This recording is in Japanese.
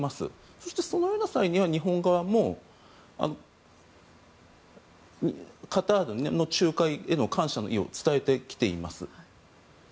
そして、そのような際には日本側もカタールの仲介への感謝の意を伝えてきています。